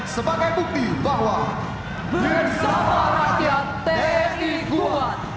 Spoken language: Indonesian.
sebagai bukti bahwa bersama rakyat tni kuat